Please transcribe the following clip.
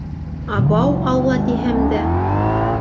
Абау алла тиһәм дә